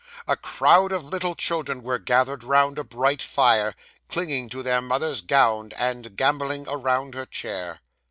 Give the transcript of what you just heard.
A crowd of little children were gathered round a bright fire, clinging to their mother's gown, and gambolling around her chair.